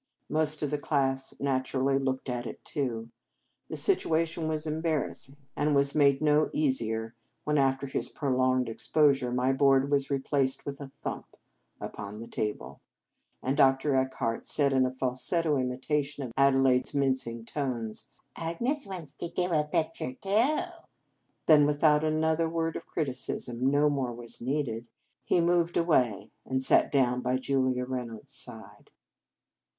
Most of the class natu rally looked at it too. The situation was embarrassing, and was made no 2 45 In Our Convent Days easier when, after this prolonged expo sure, my board was replaced with a thump upon the table, and Dr. Eckhart said in a falsetto imitation of Ade laide s mincing tones: "Agnes wants to do a picture, too." Then without another word of criticism no more was needed he moved away, and sat down by Julia Reynolds s side.